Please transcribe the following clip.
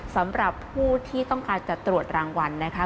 สำหรับผู้ที่ต้องการจะตรวจรางวัลนะคะ